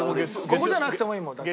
ここじゃなくていいもんだって。